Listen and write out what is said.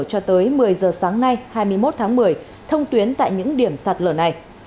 cho tới một mươi giờ sáng nay hai mươi một tháng một mươi thông tuyến tại những điểm sạt lở này